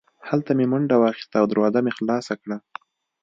هلته مې منډه واخیسته او دروازه مې خلاصه کړه